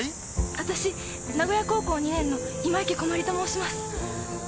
私菜吾八高校２年の今池こまりと申します。